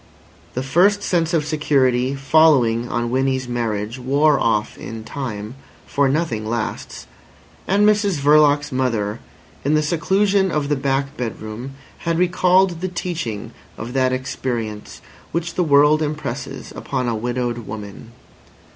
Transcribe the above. The first sense of security following on Winnie's marriage wore off in time (for nothing lasts), and Mrs Verloc's mother, in the seclusion of the back bedroom, had recalled the teaching of that experience which the world impresses upon a widowed woman.